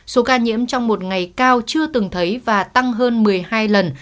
số ca nhiễm trong một ngày cao chưa từng thấy và tăng hơn một mươi hai lần